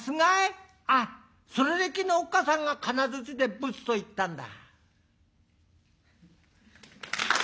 あっそれで昨日おっかさんが金槌でぶつと言ったんだ」。